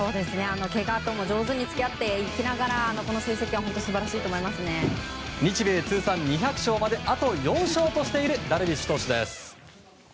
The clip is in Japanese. けがとも上手に付き合っていきながらの成績は日米通算２００勝まであと４勝としているダルビッシュ投手です。